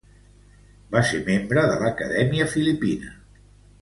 Va ser membre de l'Acadèmia Filipina.